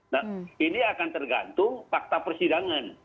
nah ini akan tergantung fakta persidangan